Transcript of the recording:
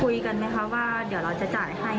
แล้วมีการคุยกันไหมคะว่าเดี๋ยวเราจะจ่ายให้เมื่อระไยกัน